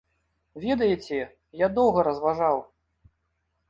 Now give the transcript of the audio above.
Ведаеце, я доўга разважаў.